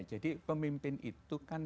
jadi pemimpin itu kan